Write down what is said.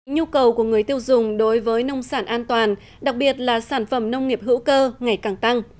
nhu cầu của người tiêu dùng đối với nông sản an toàn đặc biệt là sản phẩm nông nghiệp hữu cơ ngày càng tăng